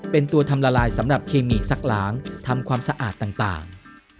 เป็นตัวทำละลายสำหรับเคมีซักล้างทำความสะอาดต่าง